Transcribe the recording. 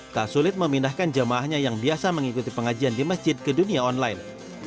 tak sulit memindahkan jemaahnya yang biasa mengikuti pengajian di masjid ke dunia online